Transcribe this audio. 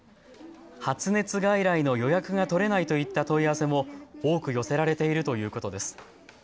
発熱外来の予約が取れないといった問い合わせも多く寄せられているということです。